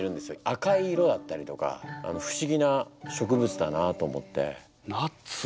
赤い色だったりとか不思議な植物だなと思って。